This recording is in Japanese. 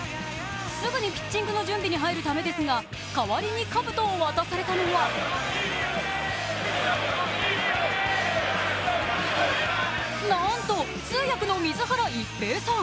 すぐにピッチングの準備に入るためですが代わりにかぶとを渡されたのはなんと、通訳の水原一平さん。